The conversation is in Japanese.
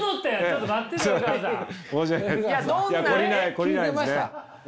懲りないんですね。